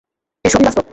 এর সবই বাস্তব?